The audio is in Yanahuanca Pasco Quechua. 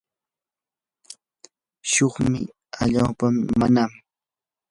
shunqun allaapam nanan.